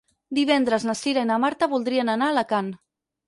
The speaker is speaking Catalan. Divendres na Cira i na Marta voldrien anar a Alacant.